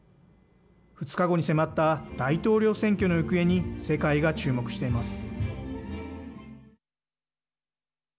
２日後に迫った大統領選挙の行方に世界が注目しています。